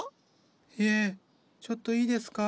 いえちょっといいですか？